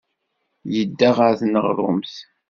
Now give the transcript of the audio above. Yedda ɣer tneɣrumt.